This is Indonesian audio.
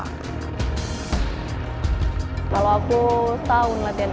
kalau aku setahun latihannya